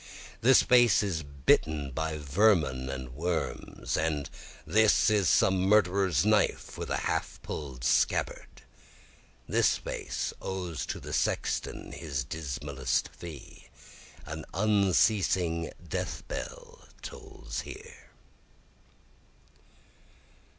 This face is bitten by vermin and worms, And this is some murderer's knife with a half pull'd scabbard. This face owes to the sexton his dismalest fee, An unceasing death bell tolls there.